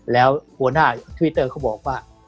แล้วหัวหน้าทวิตเตอร์เขาบอกว่า